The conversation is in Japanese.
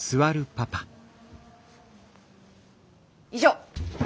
以上。